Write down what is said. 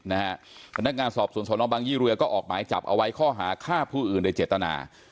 พนักงานสอบสวนสนบังยี่เรือก็ออกหมายจับเอาไว้ข้อหาฆ่าผู้อื่นโดยเจตนา